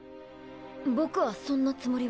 ボクはそんなつもりは。